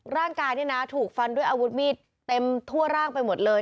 ร่างกายนี่นะถูกฟันด้วยอาวุธมีดเต็มทั่วร่างไปหมดเลย